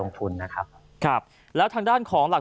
คุณสินทะนันสวัสดีครับ